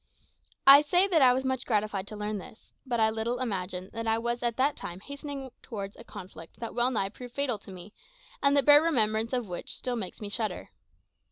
I say that I was much gratified to learn this; but I little imagined that I was at that time hastening towards a conflict that well nigh proved fatal to me, and the bare remembrance of which still makes me shudder.